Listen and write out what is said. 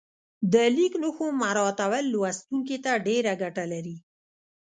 د لیک نښو مراعاتول لوستونکي ته ډېره ګټه لري.